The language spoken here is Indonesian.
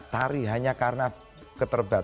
tari suvi ini sebenarnya bukan tarian suvi